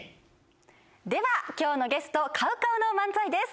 では今日のゲストＣＯＷＣＯＷの漫才です。